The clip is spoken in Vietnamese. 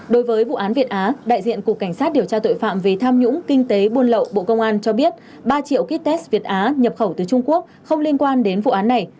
đối với vụ án việt á đại diện cục cảnh sát điều tra tội phạm về tham nhũng kinh tế buôn lậu bộ công an cho biết ba triệu kites việt á nhập khẩu từ trung quốc không liên quan đến vụ án này